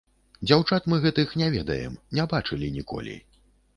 Дзяўчат мы гэтых не ведаем, не бачылі ніколі.